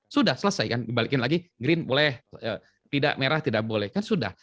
sudah selesai kan dibalikin lagi green boleh tidak merah tidak boleh kan sudah